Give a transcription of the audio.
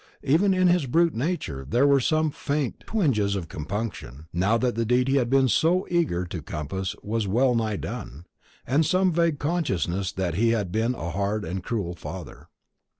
Even in his brute nature there were some faint twinges of compunction, now that the deed he had been so eager to compass was well nigh done some vague consciousness that he had been a hard and cruel father.